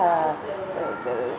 không có gì đó là